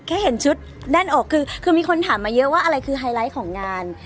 เห็นชุดด้านอกคือมีคนถามมาเยอะว่าอะไรคือไฮไลท์ของงาน